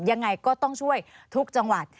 ยังไงก็ต้องช่วยทุกจังหวัด